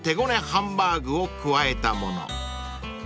ハンバーグを加えたもの］